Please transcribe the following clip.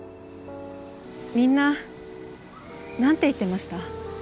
みんななんて言ってました？